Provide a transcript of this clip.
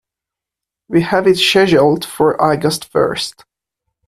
We have it scheduled for August first.